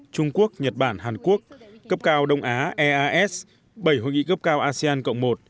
trung quốc nhật bản hàn quốc cấp cao đông á eas bảy hội nghị cấp cao asean cộng một